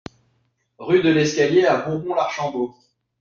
Rue de l'Escalier à Bourbon-l'Archambault